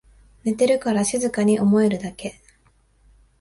寝てるから静かに思えるだけ